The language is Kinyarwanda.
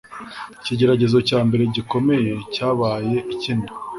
Ikigeragezo cya mbere gikomeye cyabaye icy'inda,